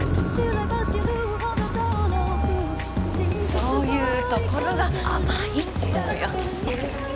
はいそういうところが甘いっていうのよ